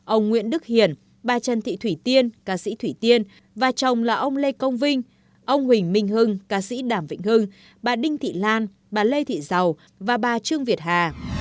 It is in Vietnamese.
ông nguyễn đức hiển bà trần thị thủy tiên ca sĩ thủy tiên và chồng là ông lê công vinh ông huỳnh minh hưng ca sĩ đảm vịnh hưng bà đinh thị lan bà lê thị giàu và bà trương việt hà